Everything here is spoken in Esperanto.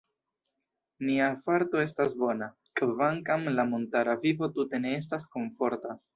Nia farto estas bona, kvankam la montara vivo tute ne estas komforta.